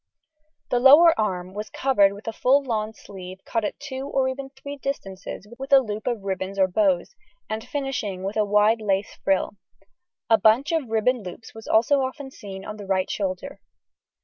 The lower arm was covered with a full lawn sleeve caught at two or even three distances with a loop of ribbons or bows, and finishing with a wide lace frill; a bunch of ribbon loops was also often seen on the right shoulder.